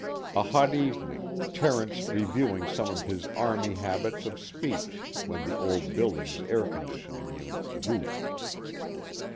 A hot evening, Terence reviewing some of his Army habits of speech when the old building's air conditioning unit goofed.